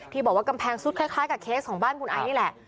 บอกว่ากำแพงซุดคล้ายกับเคสของบ้านคุณไอนี่แหละ